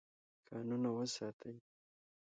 کانونه وساتئ.